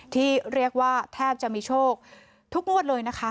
ที่เรียกว่าแทบจะมีโชคทุกงวดเลยนะคะ